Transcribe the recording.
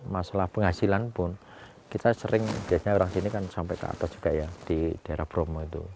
masalah penghasilan pun kita sering biasanya orang sini kan sampai ke atas juga ya di daerah bromo itu